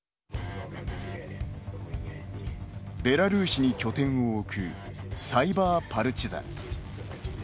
ベラルーシに拠点を置くサイバー・パルチザン。